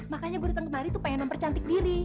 makanya gua datang kemari tuh pengen mempercantik diri